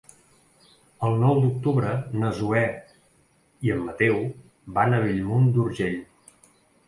El nou d'octubre na Zoè i en Mateu van a Bellmunt d'Urgell.